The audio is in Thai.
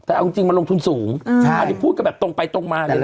แต่เอาจริงมันลงทุนสูงพูดก็แบบตรงไปตรงมาเลยนะ